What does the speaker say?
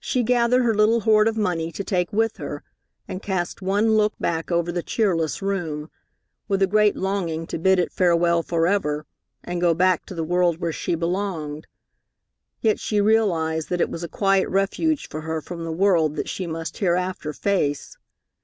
She gathered her little hoard of money to take with her, and cast one look back over the cheerless room, with a great longing to bid it farewell forever, and go back to the world where she belonged; yet she realized that it was a quiet refuge for her from the world that she must hereafter face.